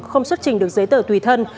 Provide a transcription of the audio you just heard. không xuất trình được giấy tờ tùy thân